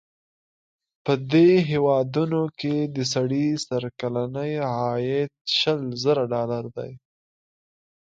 په دې هېوادونو کې د سړي سر کلنی عاید شل زره ډالره دی.